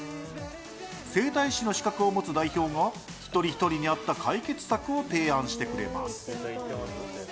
整体師の資格を持つ代表が一人ひとりに合った解決策を提案してくれます。